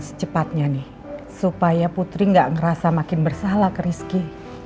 secepatnya nih supaya putri gak ngerasa makin bersalah ke rizky